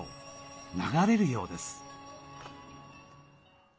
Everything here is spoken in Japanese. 流れるようです。